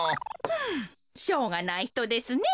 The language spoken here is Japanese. ふうしょうがないひとですね。